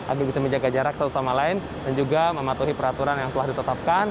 agar bisa menjaga jarak satu sama lain dan juga mematuhi peraturan yang telah ditetapkan